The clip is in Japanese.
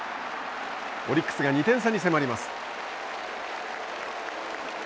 オリックスが２点差に迫ります。